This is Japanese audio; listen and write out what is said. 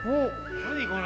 何これ？